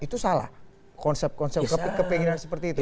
itu salah konsep konsep kepinginan seperti itu